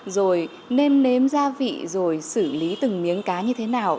rồi nên nếm gia vị rồi xử lý từng miếng cá như thế nào